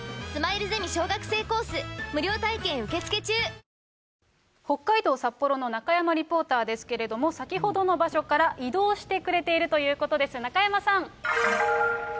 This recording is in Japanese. フランス、北海道札幌の中山リポーターですけれども、先ほどの場所から移動してくれているということです、中山さん。